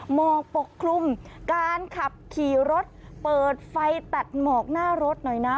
หมอกปกคลุมการขับขี่รถเปิดไฟตัดหมอกหน้ารถหน่อยนะ